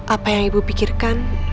apa yang ibu pikirkan